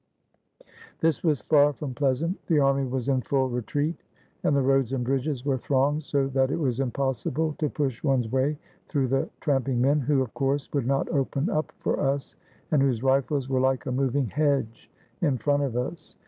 This was far from pleasant. The army was in full re treat, and the roads and bridges were thronged, so that it was impossible to push one's way through the tramp ing men who, of course, would not open up for us, and whose rifles were like a moving hedge in front of us.